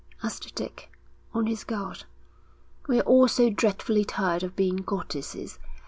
asked Dick, on his guard. 'We're all so dreadfully tired of being goddesses.